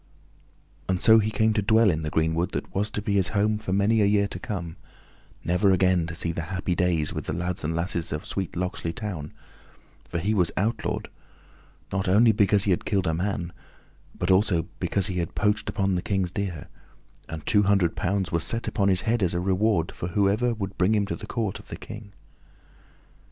And so he came to dwell in the greenwood that was to be his home for many a year to come, never again to see the happy days with the lads and lasses of sweet Locksley Town; for he was outlawed, not only because he had killed a man, but also because he had poached upon the King's deer, and two hundred pounds were set upon his head, as a reward for whoever would bring him to the court of the King.